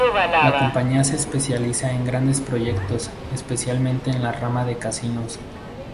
La compañía se especializa en grandes proyectos, especialmente en la rama de casinos.